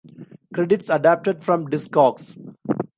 Credits adapted from Discogs.